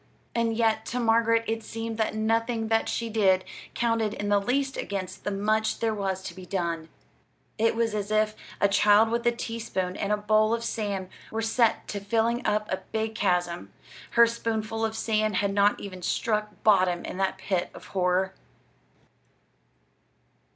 And yet, to Margaret it seemed that nothing that she did counted in the least against the much there was to be done. It was as if a child with a teaspoon and a bowl of sand were set to filling up a big chasm: her spoonful of sand had not even struck bottom in that pit of horror!